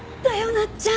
なっちゃん。